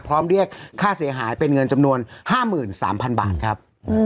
เรียกค่าเสียหายเป็นเงินจำนวน๕๓๐๐๐บาทครับ